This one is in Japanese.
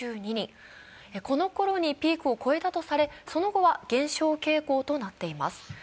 このころにピークを超えたとされ、その後は減少傾向となっています。